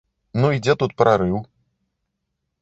Ну і дзе тут прарыў?